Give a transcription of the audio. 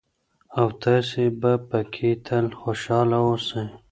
او تاسې به پکې تل خوشحاله اوسئ.